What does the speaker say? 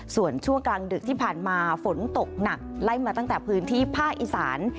ส่วนช่วงประตำกลางดึกที่ผ่านมาฝนตกหนักไล่มาตั้งแต่พืชที่ผ้าอีศาล